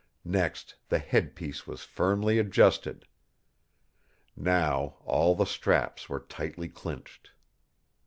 Next the headpiece was firmly adjusted. Now all the straps were tightly clinched.